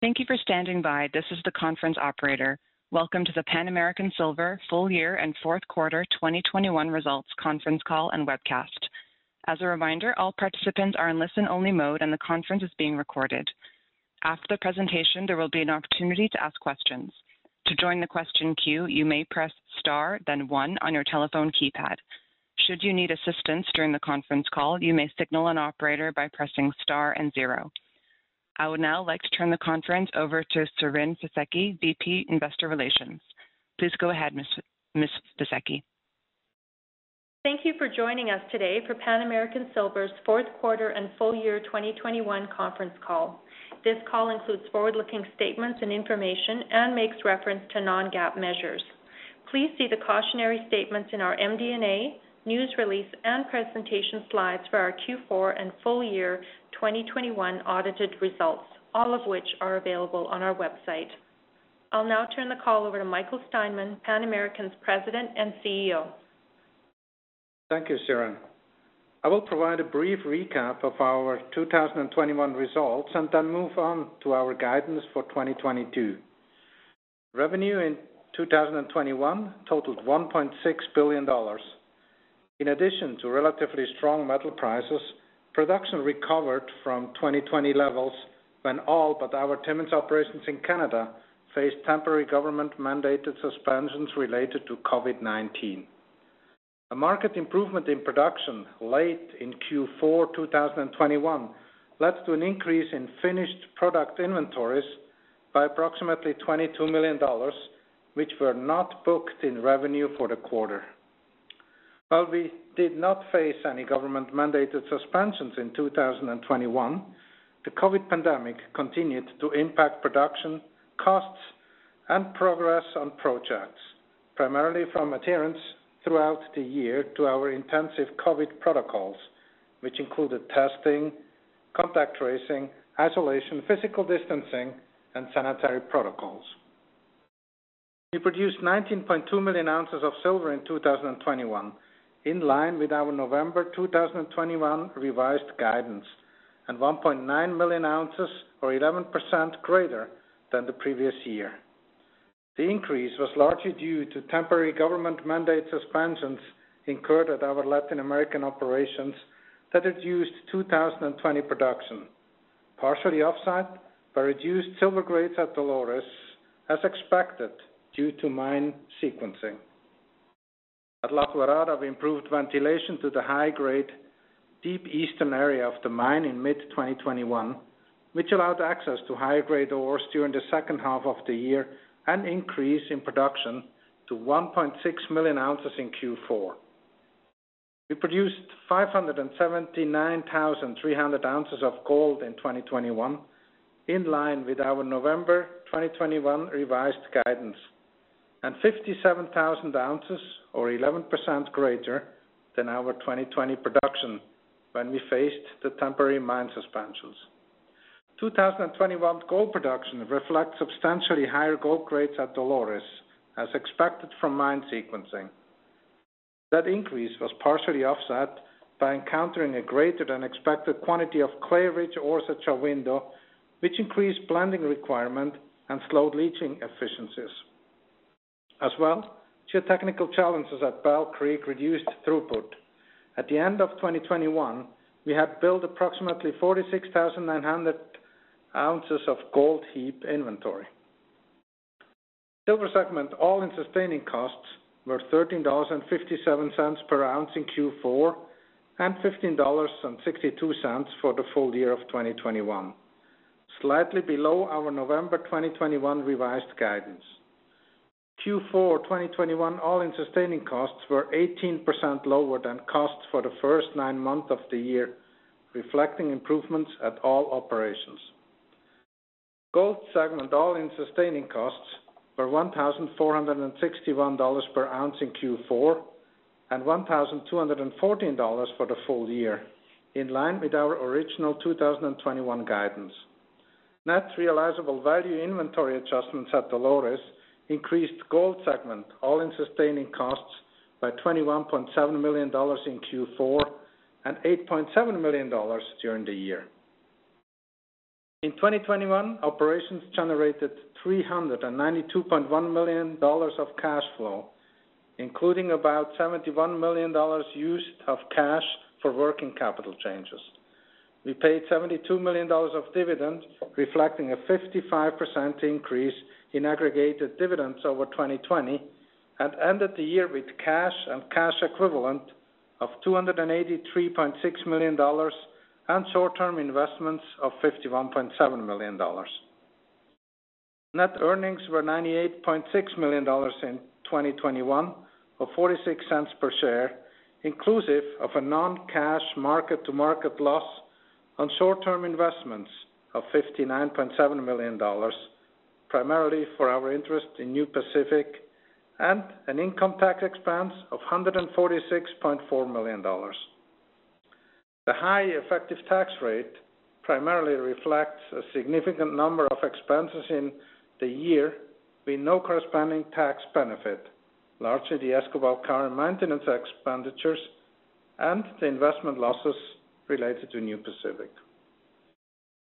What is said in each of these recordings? Thank you for standing by. This is the conference operator. Welcome to the Pan American Silver full year and fourth quarter 2021 results conference call and webcast. As a reminder, all participants are in listen-only mode, and the conference is being recorded. After the presentation, there will be an opportunity to ask questions. To join the question queue, you may press star, then one on your telephone keypad. Should you need assistance during the conference call, you may signal an operator by pressing Star and zero. I would now like to turn the conference over to Siren Fisekci, VP, Investor Relations. Please go ahead, Ms. Fisekci. Thank you for joining us today for Pan American Silver's fourth quarter and full year 2021 conference call. This call includes forward-looking statements and information and makes reference to non-GAAP measures. Please see the cautionary statements in our MD&A, news release, and presentation slides for our Q4 and full year 2021 audited results, all of which are available on our website. I'll now turn the call over to Michael Steinmann, Pan American's President and CEO. Thank you, Siren. I will provide a brief recap of our 2021 results and then move on to our guidance for 2022. Revenue in 2021 totaled $1.6 billion. In addition to relatively strong metal prices, production recovered from 2020 levels when all but our Timmins operations in Canada faced temporary government-mandated suspensions related to COVID-19. A marked improvement in production late in Q4 2021 led to an increase in finished product inventories by approximately $22 million, which were not booked in revenue for the quarter. While we did not face any government-mandated suspensions in 2021, the COVID pandemic continued to impact production, costs, and progress on projects, primarily from adherence throughout the year to our intensive COVID protocols, which included testing, contact tracing, isolation, physical distancing, and sanitary protocols. We produced 19.2 million oz of silver in 2021, in line with our November 2021 revised guidance and 1.9 million oz or 11% greater than the previous year. The increase was largely due to temporary government mandate suspensions incurred at our Latin American operations that had hurt 2020 production, partially offset by reduced silver grades at Dolores as expected due to mine sequencing. At La Colorada, we improved ventilation to the high-grade deep eastern area of the mine in mid-2021, which allowed access to higher-grade ores during the second half of the year and increase in production to 1.6 million oz in Q4. We produced 579,300 oz of gold in 2021, in line with our November 2021 revised guidance and 57,000 oz or 11% greater than our 2020 production when we faced the temporary mine suspensions. 2021 gold production reflects substantially higher gold grades at Dolores, as expected from mine sequencing. That increase was partially offset by encountering a greater than expected quantity of clay-rich ore at Shahuindo, which increased blending requirement and slowed leaching efficiencies. As well, geotechnical challenges at Bell Creek reduced throughput. At the end of 2021, we had built approximately 46,900 oz of gold heap inventory. Silver segment all-in sustaining costs were $13.57 per oz in Q4 and $15.62 for the full year of 2021, slightly below our November 2021 revised guidance. Q4 2021 all-in sustaining costs were 18% lower than costs for the first nine months of the year, reflecting improvements at all operations. Gold segment all-in sustaining costs were $1,461 per oz in Q4 and $1,214 for the full year, in line with our original 2021 guidance. Net realizable value inventory adjustments at Dolores increased gold segment all-in sustaining costs by $21.7 million in Q4 and $8.7 million during the year. In 2021, operations generated $392.1 million of cash flow, including about $71 million used of cash for working capital changes. We paid $72 million of dividends, reflecting a 55% increase in aggregated dividends over 2020 and ended the year with cash and cash equivalent of $283.6 million and short-term investments of $51.7 million. Net earnings were $98.6 million in 2021 or $0.46 per share, inclusive of a non-cash mark-to-market loss on short-term investments of $59.7 million, primarily for our interest in New Pacific, and an income tax expense of $146.4 million. The high effective tax rate primarily reflects a significant number of expenses in the year with no corresponding tax benefit, largely the Escobal care and maintenance expenditures. The investment losses related to New Pacific.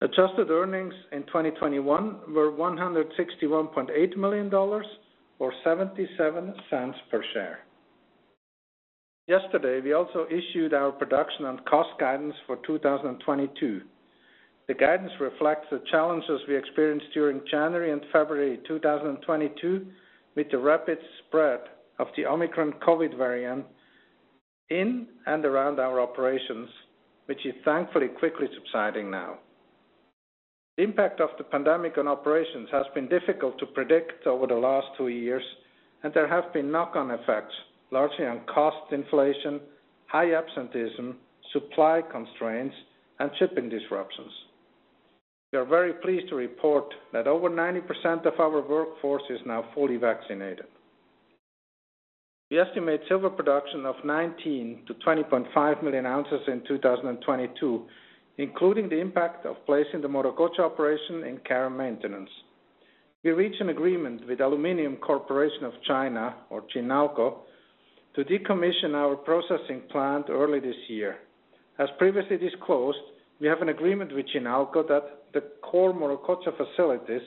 Adjusted earnings in 2021 were $161.8 million or $0.77 per share. Yesterday, we also issued our production and cost guidance for 2022. The guidance reflects the challenges we experienced during January and February 2022 with the rapid spread of the Omicron COVID-19 variant in and around our operations, which is thankfully quickly subsiding now. The impact of the pandemic on operations has been difficult to predict over the last two years, and there have been knock-on effects, largely on cost inflation, high absenteeism, supply constraints, and shipping disruptions. We are very pleased to report that over 90% of our workforce is now fully vaccinated. We estimate silver production of 19 million oz-20.5 million oz in 2022, including the impact of placing the Morococha operation in care and maintenance. We reached an agreement with Aluminium Corporation of China, or Chinalco, to decommission our processing plant early this year. As previously disclosed, we have an agreement with Chinalco that the core Morococha facilities,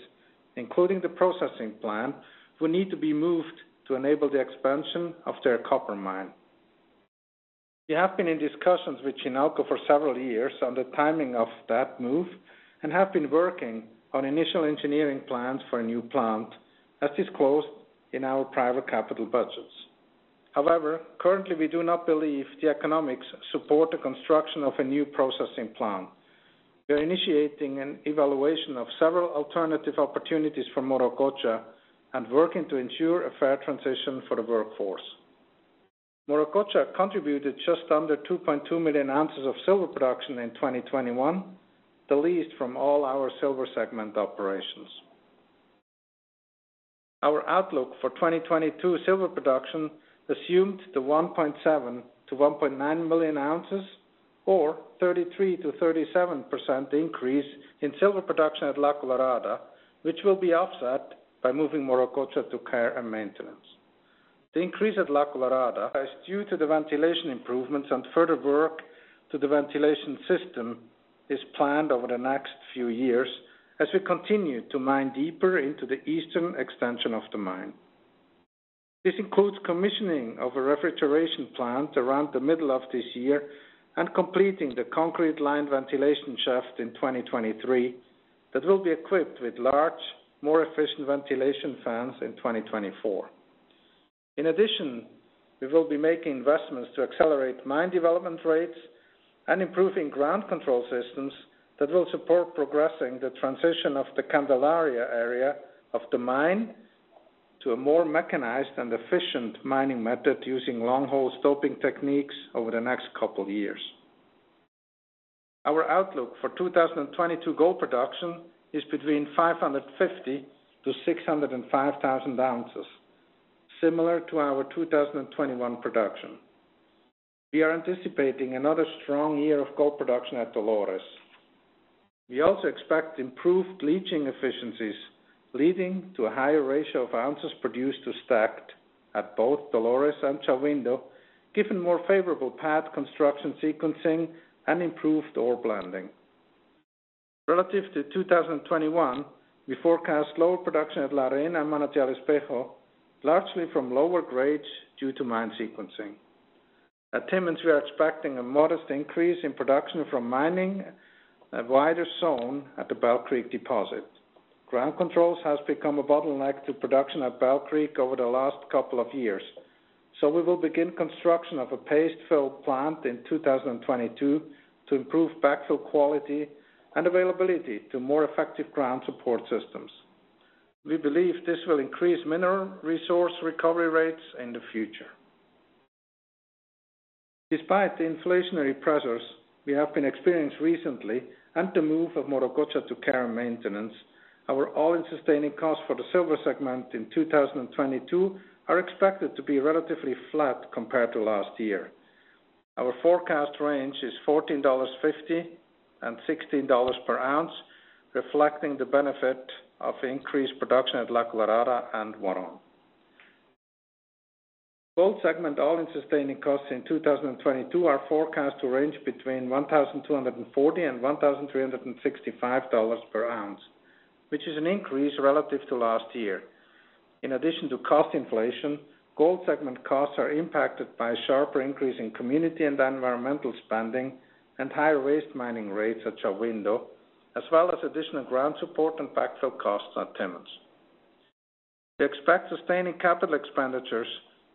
including the processing plant, will need to be moved to enable the expansion of their copper mine. We have been in discussions with Chinalco for several years on the timing of that move and have been working on initial engineering plans for a new plant, as disclosed in our private capital budgets. However, currently, we do not believe the economics support the construction of a new processing plant. We are initiating an evaluation of several alternative opportunities for Morococha and working to ensure a fair transition for the workforce. Morococha contributed just under 2.2 million oz of silver production in 2021, the least from all our silver segment operations. Our outlook for 2022 silver production assumed the 1.7 million oz-1.9 million oz or 33%-37% increase in silver production at La Colorada, which will be offset by moving Morococha to care and maintenance. The increase at La Colorada is due to the ventilation improvements and further work to the ventilation system is planned over the next few years as we continue to mine deeper into the eastern extension of the mine. This includes commissioning of a refrigeration plant around the middle of this year and completing the concrete line ventilation shaft in 2023 that will be equipped with large, more efficient ventilation fans in 2024. In addition, we will be making investments to accelerate mine development rates and improving ground control systems that will support progressing the transition of the Candelaria area of the mine to a more mechanized and efficient mining method using long-hole stoping techniques over the next couple years. Our outlook for 2022 gold production is between 550,000 oz-605,000 oz, similar to our 2021 production. We are anticipating another strong year of gold production at Dolores. We also expect improved leaching efficiencies, leading to a higher ratio of ounces produced to stacked at both Dolores and Shahuindo, given more favorable pad construction sequencing and improved ore blending. Relative to 2021, we forecast lower production at La Arena and Manantial Espejo, largely from lower grades due to mine sequencing. At Timmins, we are expecting a modest increase in production from mining a wider zone at the Bell Creek deposit. Ground controls has become a bottleneck to production at Bell Creek over the last couple of years, so we will begin construction of a paste fill plant in 2022 to improve backfill quality and availability to more effective ground support systems. We believe this will increase mineral resource recovery rates in the future. Despite the inflationary pressures we have been experiencing recently and the move of Morococha to care and maintenance, our all-in sustaining costs for the silver segment in 2022 are expected to be relatively flat compared to last year. Our forecast range is $14.50 per oz-$16 per oz, reflecting the benefit of increased production at La Colorada and Huaron. Gold segment all-in sustaining costs in 2022 are forecast to range between $1,240 per oz-$1,365 per oz, which is an increase relative to last year. In addition to cost inflation, gold segment costs are impacted by sharper increase in community and environmental spending and higher waste mining rates at Shahuindo, as well as additional ground support and backfill costs at Timmins. We expect sustaining capital expenditures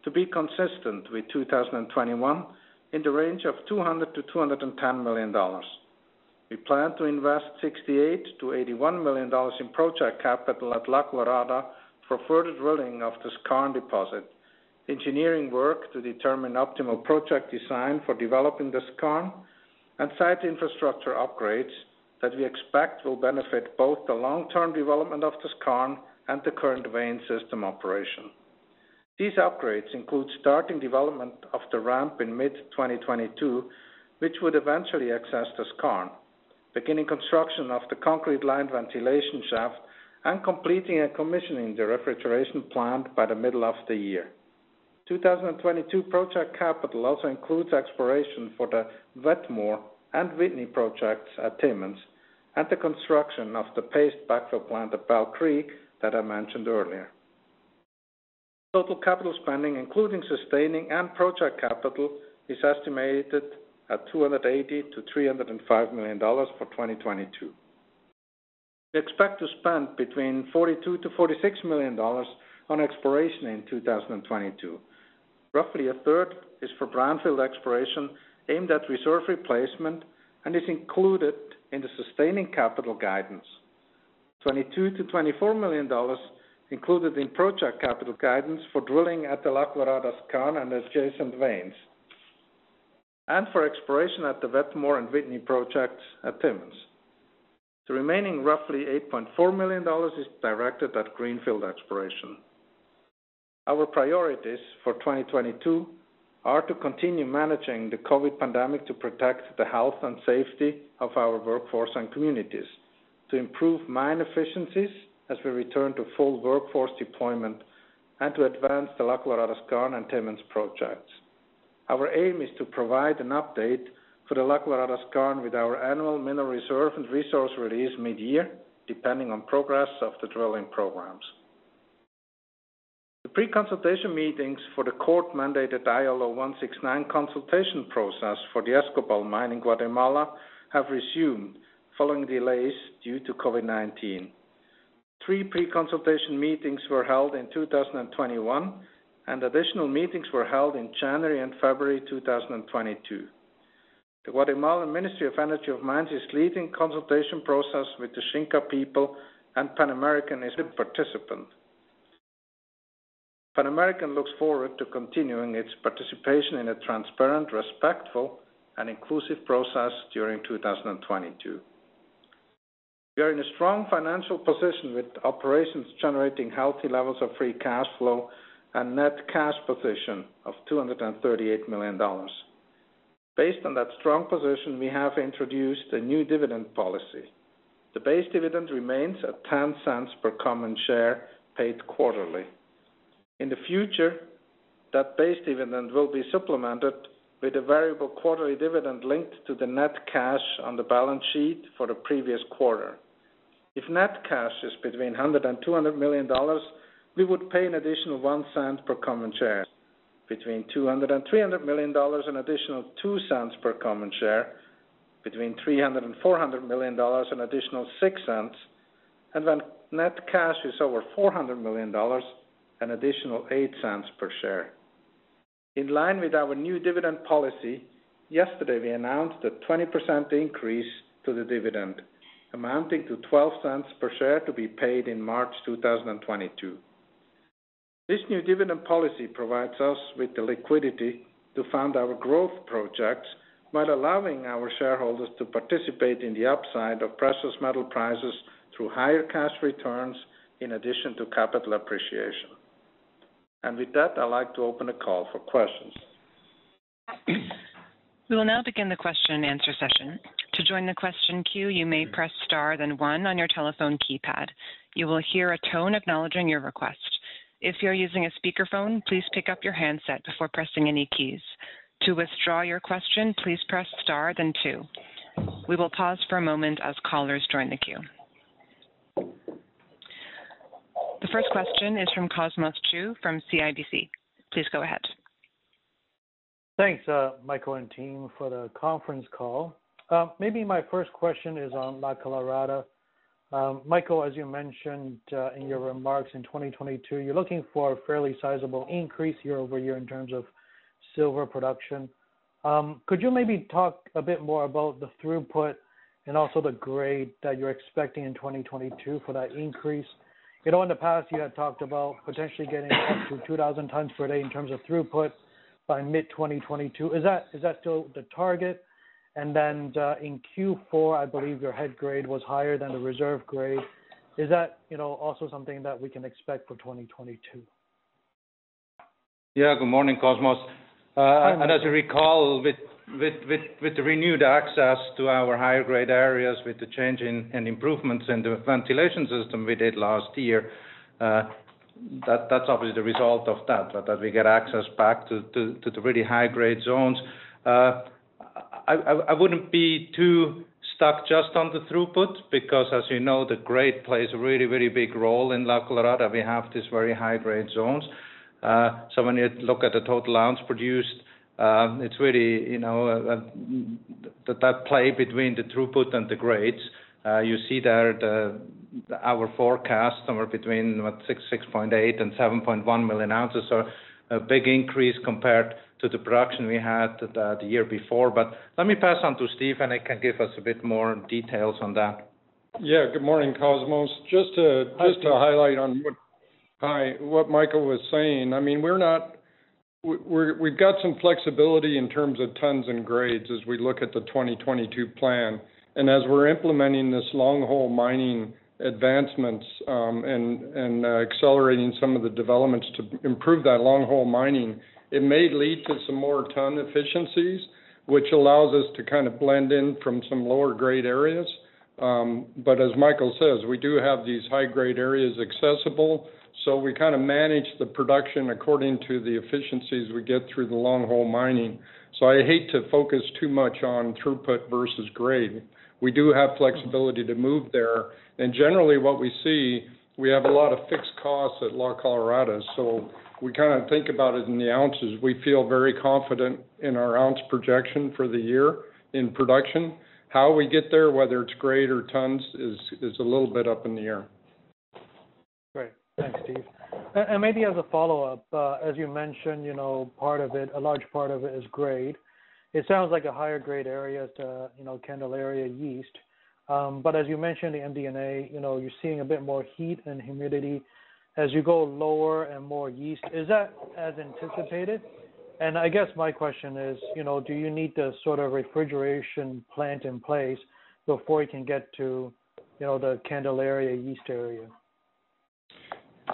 to be consistent with 2021 in the range of $200 million-$210 million. We plan to invest $68 million-$81 million in project capital at La Colorada for further drilling of the skarn deposit, engineering work to determine optimal project design for developing the skarn and site infrastructure upgrades that we expect will benefit both the long-term development of the skarn and the current vein system operation. These upgrades include starting development of the ramp in mid-2022, which would eventually access the skarn, beginning construction of the concrete lined ventilation shaft and completing and commissioning the refrigeration plant by the middle of the year. 2022 project capital also includes exploration for the Wetmore and Whitney projects at Timmins, and the construction of the paste backfill plant at Bell Creek that I mentioned earlier. Total capital spending, including sustaining and project capital, is estimated at $280 million-$305 million for 2022. We expect to spend between $42 million and $46 million on exploration in 2022. Roughly a third is for brownfield exploration aimed at reserve replacement and is included in the sustaining capital guidance. $22 million-$24 million included in project capital guidance for drilling at the La Colorada skarn and adjacent veins, and for exploration at the Wetmore and Whitney projects at Timmins. The remaining roughly $8.4 million is directed at greenfield exploration. Our priorities for 2022 are to continue managing the COVID pandemic to protect the health and safety of our workforce and communities, to improve mine efficiencies as we return to full workforce deployment, and to advance the La Colorada skarn and Timmins projects. Our aim is to provide an update for the La Colorada skarn with our annual mineral reserve and resource release mid-year, depending on progress of the drilling programs. The pre-consultation meetings for the court-mandated ILO 169 consultation process for the Escobal mine in Guatemala have resumed following delays due to COVID-19. Three pre-consultation meetings were held in 2021, and additional meetings were held in January and February 2022. The Guatemalan Ministry of Energy and Mines is leading the consultation process with the Xinka people and Pan American is a participant. Pan American looks forward to continuing its participation in a transparent, respectful, and inclusive process during 2022. We are in a strong financial position with operations generating healthy levels of free cash flow and net cash position of $238 million. Based on that strong position, we have introduced a new dividend policy. The base dividend remains at $0.10 per common share paid quarterly. In the future, that base dividend will be supplemented with a variable quarterly dividend linked to the net cash on the balance sheet for the previous quarter. If net cash is between $100 million and $200 million, we would pay an additional $0.01 per common share. Between $200 million and $300 million, an additional $0.02 per common share. Between $300 million and $400 million, an additional $0.06. When net cash is over $400 million, an additional $0.08 per share. In line with our new dividend policy, yesterday, we announced a 20% increase to the dividend, amounting to $0.12 per share to be paid in March 2022. This new dividend policy provides us with the liquidity to fund our growth projects while allowing our shareholders to participate in the upside of precious metal prices through higher cash returns in addition to capital appreciation. With that, I'd like to open the call for questions. We will now begin the question-and-answer session. To join the question queue, you may press star then one on your telephone keypad. You will hear a tone acknowledging your request. If you're using a speakerphone, please pick up your handset before pressing any keys. To withdraw your question, please press star then two. We will pause for a moment as callers join the queue. The first question is from Cosmos Chiu from CIBC. Please go ahead. Thanks, Michael and team for the conference call. Maybe my first question is on La Colorada. Michael, as you mentioned in your remarks, in 2022, you're looking for a fairly sizable increase year-over-year in terms of silver production. Could you maybe talk a bit more about the throughput and also the grade that you're expecting in 2022 for that increase? You know, in the past you had talked about potentially getting up to 2000 tons per day in terms of throughput by mid-2022. Is that still the target? And then, in Q4, I believe your head grade was higher than the reserve grade. Is that, you know, also something that we can expect for 2022? Yeah, good morning, Cosmos. As you recall, with the renewed access to our higher grade areas with the change in improvements in the ventilation system we did last year, that's obviously the result of that we get access back to the really high-grade zones. I wouldn't be too stuck just on the throughput because as you know, the grade plays a really, really big role in La Colorada. We have these very high-grade zones. When you look at the total ounce produced, it's really, you know, that play between the throughput and the grades. You see there our forecast somewhere between, what? 6.8 million oz-7.1 million oz. A big increase compared to the production we had the year before. Let me pass on to Steve, and he can give us a bit more details on that. Yeah, good morning, Cosmos. Hi. What Michael was saying, I mean, we've got some flexibility in terms of tons and grades as we look at the 2022 plan. As we're implementing this long-hole mining advancements, accelerating some of the developments to improve that long-hole mining, it may lead to some more ton efficiencies, which allows us to kind of blend in from some lower grade areas. As Michael says, we do have these high grade areas accessible, so we kind of manage the production according to the efficiencies we get through the long-hole mining. I hate to focus too much on throughput versus grade. We do have flexibility to move there. Generally, what we see, we have a lot of fixed costs at La Colorada, so we kind of think about it in the ounces. We feel very confident in our ounce projection for the year in production. How we get there, whether it's grade or tons, is a little bit up in the air. Great. Thanks, Steve. Maybe as a follow-up, as you mentioned, you know, part of it, a large part of it is grade. It sounds like a higher grade area to, you know, Candelaria East. But as you mentioned in MD&A, you know, you're seeing a bit more heat and humidity as you go lower and more east. Is that as anticipated? I guess my question is, you know, do you need the sort of refrigeration plant in place before you can get to, you know, the Candelaria East area?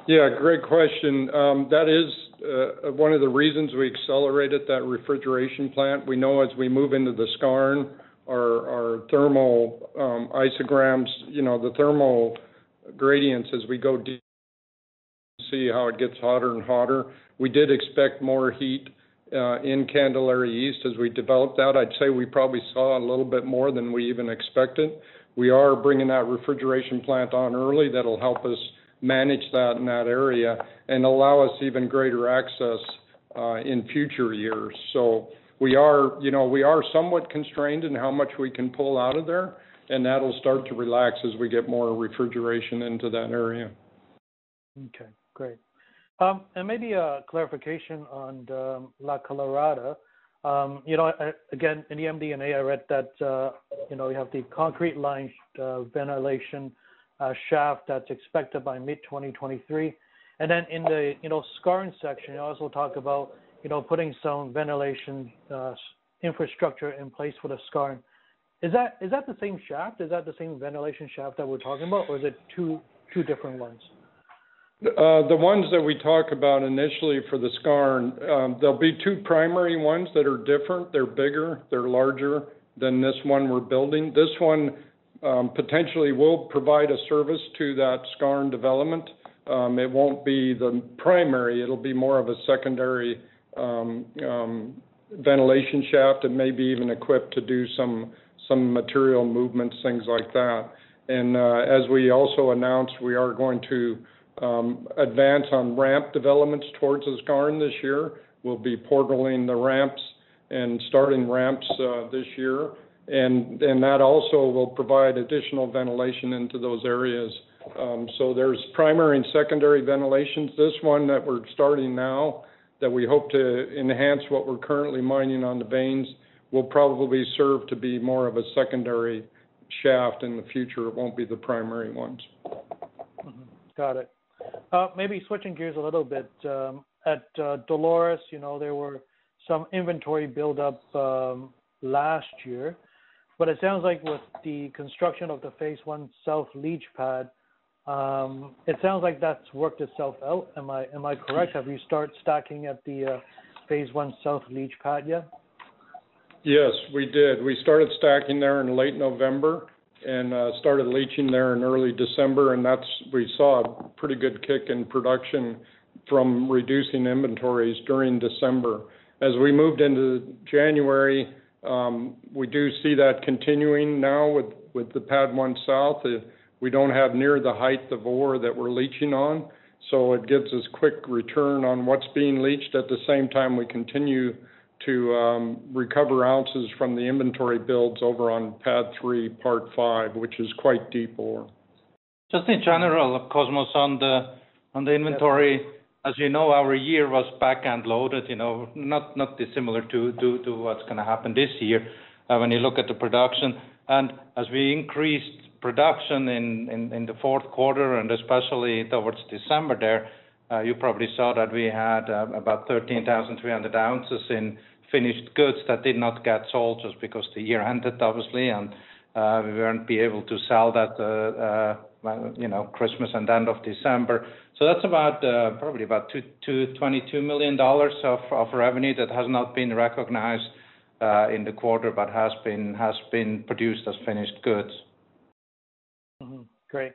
Yeah, great question. That is one of the reasons we accelerated that refrigeration plant. We know as we move into the skarn, our thermal isotherms, you know, the thermal gradients as we go deeper, see how it gets hotter and hotter. We did expect more heat in Candelaria East as we developed out. I'd say we probably saw a little bit more than we even expected. We are bringing that refrigeration plant on early. That'll help us manage that in that area and allow us even greater access in future years. We are, you know, somewhat constrained in how much we can pull out of there, and that'll start to relax as we get more refrigeration into that area. Okay, great. And maybe a clarification on La Colorada. You know, again, in the MD&A, I read that you know, you have the concrete lined ventilation shaft that's expected by mid-2023. And then in the, you know, skarn section, you also talk about, you know, putting some ventilation infrastructure in place for the skarn. Is that the same shaft? Is that the same ventilation shaft that we're talking about, or is it two different ones? The ones that we talk about initially for the skarn, there'll be two primary ones that are different. They're bigger, they're larger than this one we're building. This one, potentially will provide a service to that skarn development. It won't be the primary, it'll be more of a secondary, ventilation shaft and maybe even equipped to do some material movements, things like that. As we also announced, we are going to advance on ramp developments towards the skarn this year. We'll be portaling the ramps and starting ramps, this year, and that also will provide additional ventilation into those areas. So there's primary and secondary ventilations. This one that we're starting now that we hope to enhance what we're currently mining on the veins, will probably serve to be more of a secondary shaft in the future. It won't be the primary ones. Got it. Maybe switching gears a little bit. At Dolores, you know, there were some inventory buildup last year. It sounds like with the construction of the phase one south leach pad, it sounds like that's worked itself out. Am I correct? Have you start stacking at the phase one south leach pad yet? Yes, we did. We started stacking there in late November and started leaching there in early December, and that's, we saw a pretty good kick in production from reducing inventories during December. As we moved into January, we do see that continuing now with the pad one south. We don't have near the height of ore that we're leaching on, so it gives us quick return on what's being leached. At the same time, we continue to recover ounces from the inventory builds over on pad three, phase five, which is quite deep ore. Just in general, Cosmos, on the inventory, as you know, our year was back-end loaded, you know, not dissimilar to what's gonna happen this year when you look at the production. As we increased production in the fourth quarter, and especially towards December there, you probably saw that we had about 13,300 oz in finished goods that did not get sold just because the year ended, obviously, and we won't be able to sell that, well, you know, Christmas and end of December. That's about probably about $22 million of revenue that has not been recognized in the quarter, but has been produced as finished goods. Mm-hmm. Great.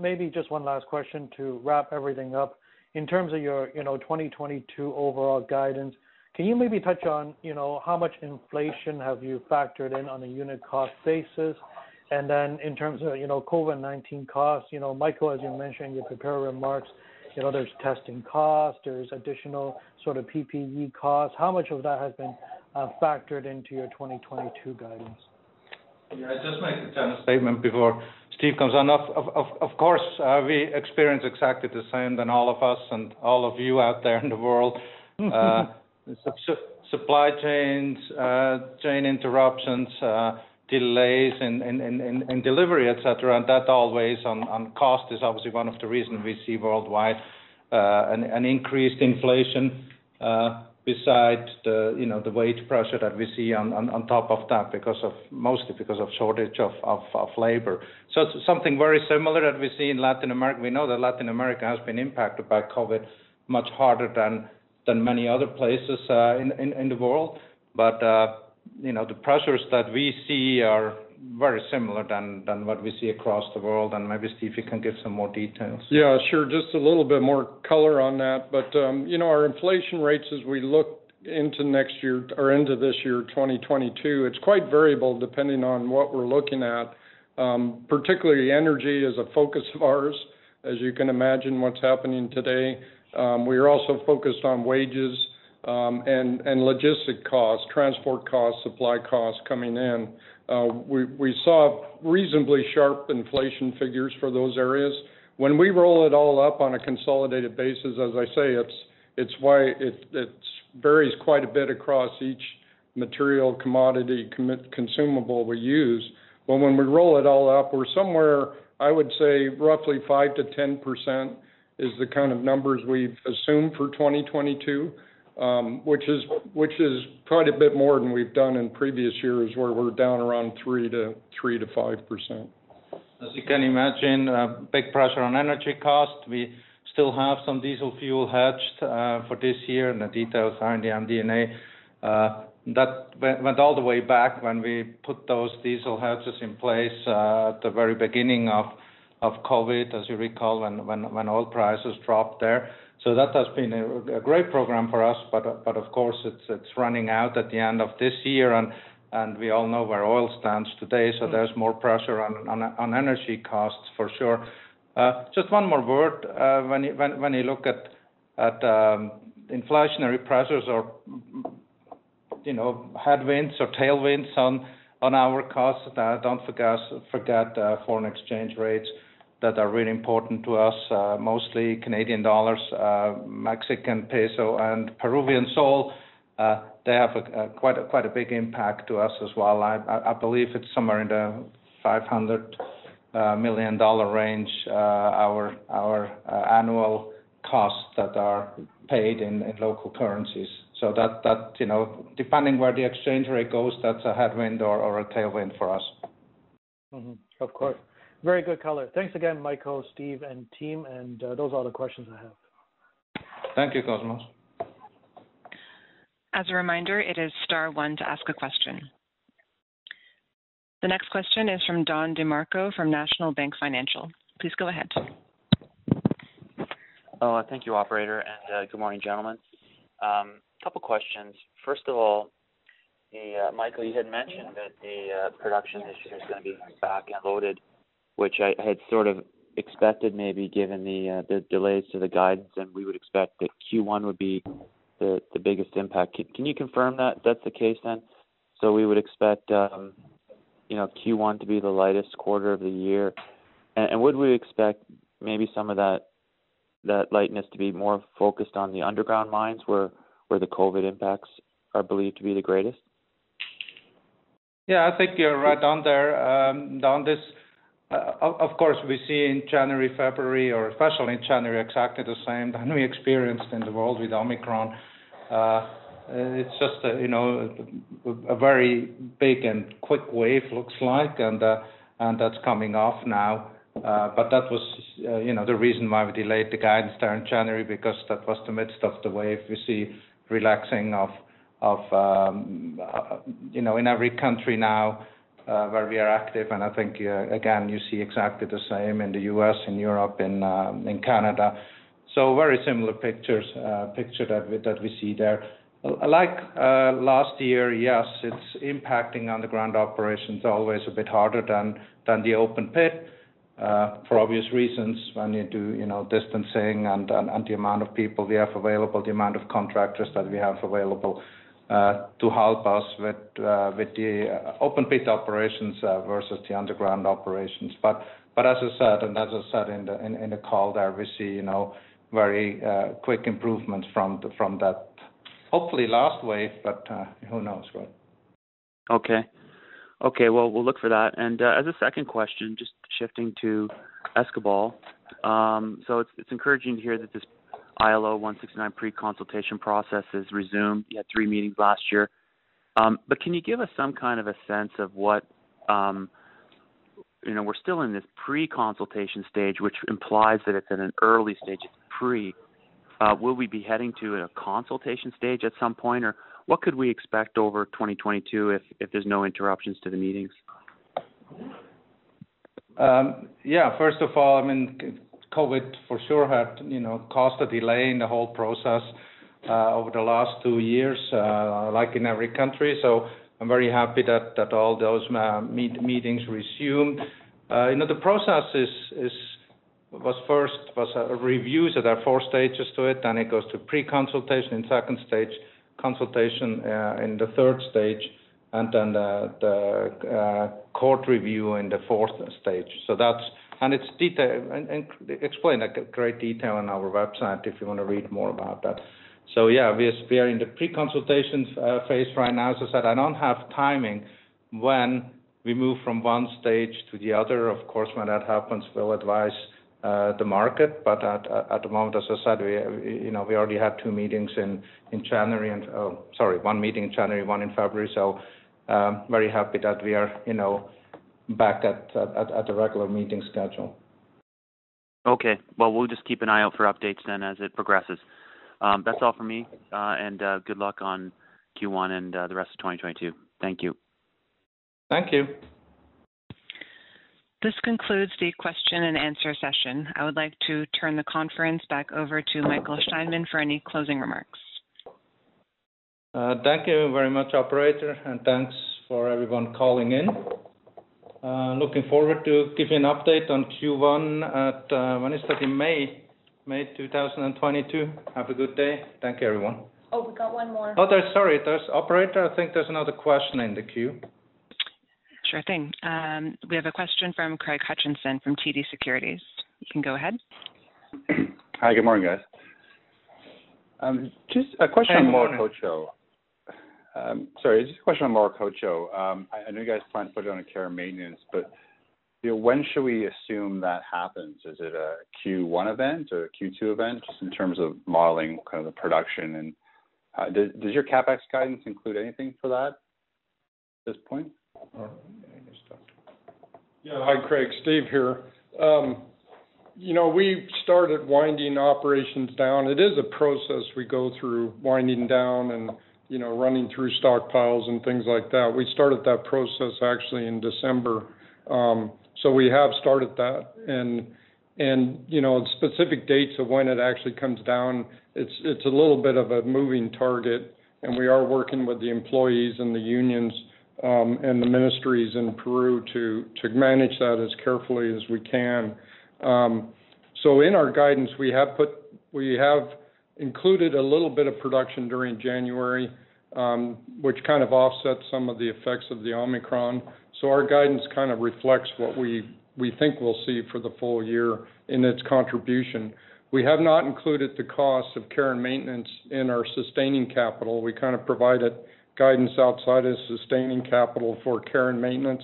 Maybe just one last question to wrap everything up. In terms of your, you know, 2022 overall guidance, can you maybe touch on, you know, how much inflation have you factored in on a unit cost basis? In terms of, you know, COVID-19 costs, you know, Michael, as you mentioned in your prepared remarks, you know, there's testing costs, there's additional sort of PPE costs. How much of that has been factored into your 2022 guidance? Yeah, I'll just make a general statement before Steve comes on. Of course, we experience exactly the same as all of us and all of you out there in the world. Supply chain interruptions, delays in delivery, et cetera, and that always impacts cost is obviously one of the reasons we see worldwide an increased inflation, besides, you know, the wage pressure that we see on top of that mostly because of shortage of labor. It's something very similar that we see in Latin America. We know that Latin America has been impacted by COVID much harder than many other places in the world. you know, the pressures that we see are very similar to what we see across the world, and maybe Steve, you can give some more details. Yeah, sure. Just a little bit more color on that. You know, our inflation rates as we look into next year or end of this year, 2022, it's quite variable depending on what we're looking at. Particularly energy is a focus of ours, as you can imagine what's happening today. We are also focused on wages, and logistic costs, transport costs, supply costs coming in. We saw reasonably sharp inflation figures for those areas. When we roll it all up on a consolidated basis, as I say, it's why it varies quite a bit across each material commodity consumable we use. When we roll it all up, we're somewhere, I would say roughly 5%-10% is the kind of numbers we've assumed for 2022, which is quite a bit more than we've done in previous years where we're down around 3%-5%. As you can imagine, big pressure on energy costs. We still have some diesel fuel hedged for this year, and the details are in the MD&A. That went all the way back when we put those diesel hedges in place at the very beginning of COVID, as you recall when oil prices dropped there. That has been a great program for us. Of course, it's running out at the end of this year and we all know where oil stands today. There's more pressure on energy costs for sure. Just one more word. When you look at inflationary pressures or, you know, headwinds or tailwinds on our costs, don't forget foreign exchange rates that are really important to us, mostly Canadian dollars, Mexican peso and Peruvian sol. They have quite a big impact to us as well. I believe it's somewhere in the $500 million range, our annual costs that are paid in local currencies. That, you know, depending where the exchange rate goes, that's a headwind or a tailwind for us. Of course. Very good color. Thanks again, Michael, Steve, and team. Those are all the questions I have. Thank you, Cosmos. As a reminder, it is star one to ask a question. The next question is from Don DeMarco from National Bank Financial. Please go ahead. Oh, thank you, operator, and good morning, gentlemen. Couple questions. First of all, Michael, you had mentioned that the production issue is gonna be back and loaded, which I had sort of expected maybe given the delays to the guidance, and we would expect that Q1 would be the biggest impact. Can you confirm that that's the case then? We would expect, you know, Q1 to be the lightest quarter of the year. Would we expect maybe some of that lightness to be more focused on the underground mines where the COVID impacts are believed to be the greatest? Yeah, I think you're right on there. Don, of course, we see in January, February or especially in January, exactly the same that we experienced in the world with Omicron. It's just a, you know, very big and quick wave looks like, and that's coming off now. But that was, you know, the reason why we delayed the guidance there in January because that was the midst of the wave. We see relaxing of, you know, in every country now where we are active. I think, again, you see exactly the same in the U.S., in Europe, in Canada. Very similar picture that we see there. Like last year, yes, it's impacting underground operations always a bit harder than the open pit for obvious reasons when you do, you know, distancing and the amount of people we have available, the amount of contractors that we have available to help us with the open pit operations versus the underground operations. As I said in the call there, we see, you know, very quick improvements from that, hopefully last wave, but who knows, right? Okay. Okay, well, we'll look for that. As a second question, just shifting to Escobal. So it's encouraging to hear that this ILO 169 pre-consultation process is resumed. You had three meetings last year. But can you give us some kind of a sense of what. You know, we're still in this pre-consultation stage, which implies that it's in an early stage, it's pre. Will we be heading to a consultation stage at some point? Or what could we expect over 2022 if there's no interruptions to the meetings? Yeah, first of all, I mean, COVID for sure had, you know, caused a delay in the whole process, over the last two years, like in every country. I'm very happy that all those meetings resumed. You know, the process was first reviews. There are four stages to it. Then it goes to pre-consultation in second stage, consultation in the third stage, and then the court review in the fourth stage. It's explained at great detail on our website if you wanna read more about that. Yeah, we are in the pre-consultations phase right now. As I said, I don't have timing. When we move from one stage to the other, of course, when that happens, we'll advise the market. At the moment, as I said, you know, we already had one meeting in January, one in February. Very happy that we are, you know, back at a regular meeting schedule. Okay. Well, we'll just keep an eye out for updates then as it progresses. That's all for me. Good luck on Q1 and the rest of 2022. Thank you. Thank you. This concludes the question-and-answer session. I would like to turn the conference back over to Michael Steinmann for any closing remarks. Thank you very much, operator, and thanks for everyone calling in. Looking forward to giving an update on Q1 at, when is that? In May 2022. Have a good day. Thank you, everyone. Oh, we got one more. Sorry. Operator, I think there's another question in the queue. Sure thing. We have a question from Craig Hutchison from TD Securities. You can go ahead. Hi. Good morning, guys. Just a question. Good morning. On Morococha. Sorry, just a question on Morococha. I know you guys plan to put it on a care and maintenance, but you know, when should we assume that happens? Is it a Q1 event or a Q2 event, just in terms of modeling kind of the production. Does your CapEx guidance include anything for that at this point? All right. I'll just talk to him. Yeah. Hi, Craig. Steve here. You know, we started winding operations down. It is a process we go through, winding down and, you know, running through stockpiles and things like that. We started that process actually in December. So we have started that. You know, specific dates of when it actually comes down, it's a little bit of a moving target, and we are working with the employees and the unions, and the ministries in Peru to manage that as carefully as we can. So in our guidance, we have included a little bit of production during January, which kind of offsets some of the effects of the Omicron. Our guidance kind of reflects what we think we'll see for the full year in its contribution. We have not included the cost of care and maintenance in our sustaining capital. We kind of provided guidance outside of sustaining capital for care and maintenance,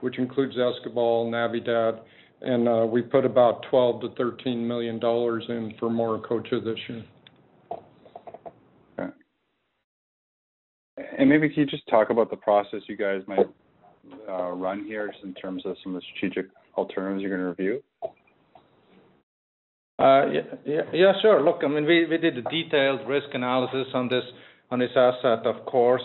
which includes Escobal and Navidad, and we put about $12 million-$13 million in for Morococha this year. Okay. Maybe can you just talk about the process you guys might run here just in terms of some of the strategic alternatives you're gonna review? Yeah, sure. Look, I mean, we did a detailed risk analysis on this asset, of course,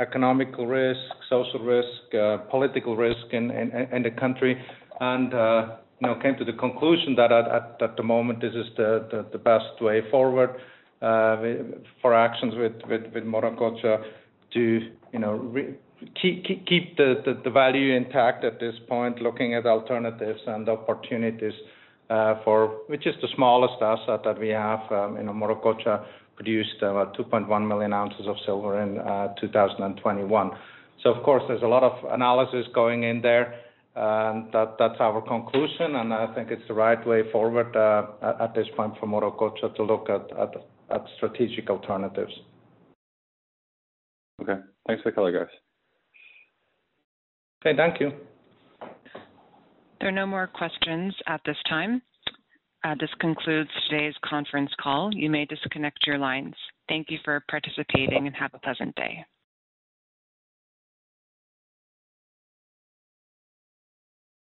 economic risk, social risk, political risk in the country, and you know, came to the conclusion that at the moment, this is the best way forward for actions with Morococha to keep the value intact at this point, looking at alternatives and opportunities for, which is the smallest asset that we have. You know, Morococha produced about 2.1 million oz of silver in 2021. Of course, there's a lot of analysis going in there, that's our conclusion, and I think it's the right way forward at this point for Morococha to look at strategic alternatives. Okay. Thanks for the color, guys. Okay, thank you. There are no more questions at this time. This concludes today's conference call. You may disconnect your lines. Thank you for participating, and have a pleasant day.